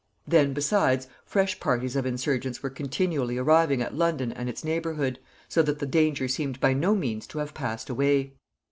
Then, besides, fresh parties of insurgents were continually arriving at London and its neighborhood, so that the danger seemed by no means to have passed away.